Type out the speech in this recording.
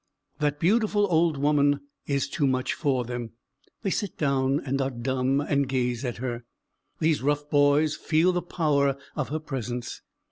That beautiful old woman is too much for them; they sit down, and are dumb, and gaze at her. These rough boys feel the power of her presence.